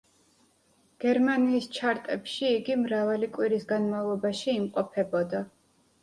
გერმანიის ჩარტებში იგი მრავალი კვირის განმავლობაში იმყოფებოდა.